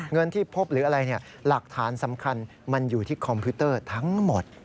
เงินที่พบหรืออะไรหลักฐานสำคัญมันอยู่ที่คอมพิวเตอร์ทั้งหมด